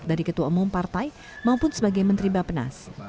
dari ketua umum partai maupun sebagai menteri bapenas